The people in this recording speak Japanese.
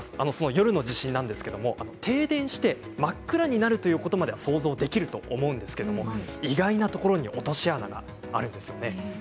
夜の地震なんですが停電して真っ暗になるということまでは想像できると思うんですけど意外なところに落とし穴があるんですよね。